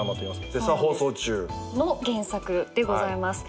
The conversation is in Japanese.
絶賛放送中。の原作でございます。